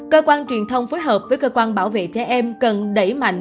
cơ quan truyền thông phối hợp với cơ quan bảo vệ trẻ em cần đẩy mạnh